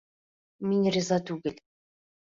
Мин риза түгел.